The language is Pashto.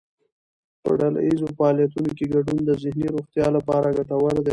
په ډلهییز فعالیتونو کې ګډون د ذهني روغتیا لپاره ګټور دی.